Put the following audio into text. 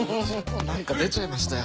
何か出ちゃいましたよ。